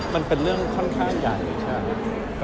มันเป็นเรื่องค่อนข้างใหญ่ใช่ไหม